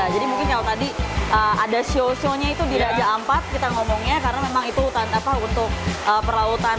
jadi mungkin kalau tadi ada show shownya itu di raja ampat kita ngomongnya karena memang itu hutan apa untuk perlautan